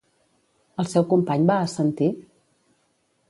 El seu company va assentir?